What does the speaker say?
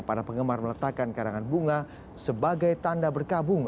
para penggemar meletakkan karangan bunga sebagai tanda berkabung